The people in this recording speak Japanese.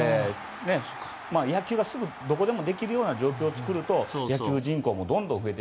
野球がすぐどこでもできるような状況を作ると野球人口も増えて。